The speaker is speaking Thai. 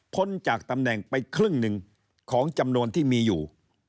จากตำแหน่งไปครึ่งหนึ่งของจำนวนที่มีอยู่